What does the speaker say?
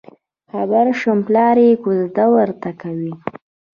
خبر شوم پلار یې کوزده ورته کوي.